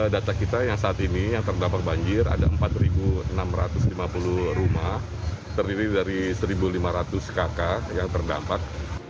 data kita yang saat ini yang terdampak banjir ada empat enam ratus lima puluh rumah terdiri dari satu lima ratus kakak yang terdampak